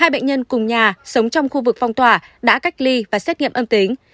hai bệnh nhân cùng nhà sống trong khu vực phong tỏa đã cách ly và xét nghiệm âm tính